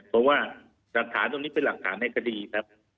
เพราะว่าหลักฐานตรงนี้เป็นหลักฐานในคดีครับ